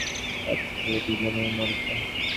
বাপ-ছেলে দুজনেই মরেছে।